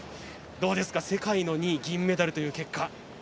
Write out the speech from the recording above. どうですか、世界の２位銀メダルという結果。